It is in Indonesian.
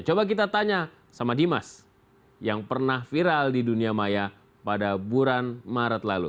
coba kita tanya sama dimas yang pernah viral di dunia maya pada bulan maret lalu